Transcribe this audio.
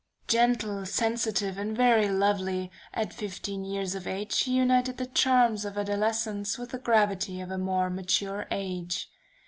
] "Gentle, sensitive, and very lovely, at fifteen years of age he united the charms of adolescence with the gravity of a more mature age.